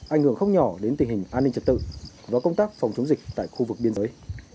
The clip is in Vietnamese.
ảnh hưởng không nhỏ đến tình hình an ninh trật tự và công tác phòng chống dịch tại khu vực biên giới